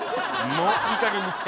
もういいかげんにして。